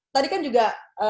tadi kan juga